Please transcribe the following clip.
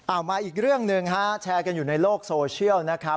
มาอีกเรื่องหนึ่งฮะแชร์กันอยู่ในโลกโซเชียลนะครับ